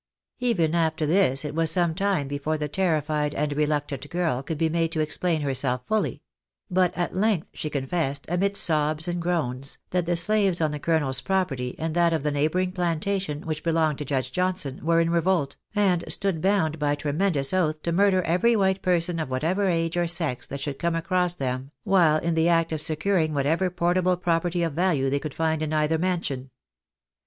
" Even after this it was some time before the terrified and re luctant girl could be made to explain herself fully ; but at length she confessed, amidst sobs and groans, that the slaves on the (Colonel's property, and that of the neighbouring plantation, which belonged to Judge Johnson, were in revolt, and stood bound by a tremendous oath to murder every white person of whatever age or sex that should come across them while in the act of securing what ever portable property of value they could find in either mansion.